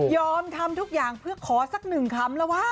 ทำทุกอย่างเพื่อขอสักหนึ่งคำแล้ววะ